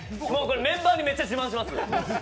メンバーにめちゃくちゃ自慢します。